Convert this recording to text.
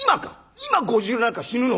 今５０両なきゃ死ぬの？